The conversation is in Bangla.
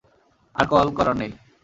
আর কল করার নেই।